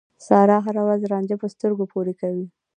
سارا هر ورځ رانجه په سترګو پورې کوي.